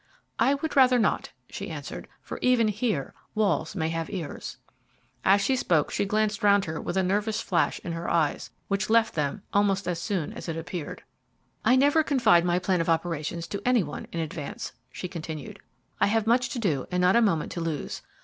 "I would rather not," she answered, "for even here walls may have ears." As she spoke she glanced round her with a nervous flash in her eyes, which left them almost as soon as it appeared. "I never confide my plan of operations to any one in advance," she continued. "I have much to do and not a moment to lose.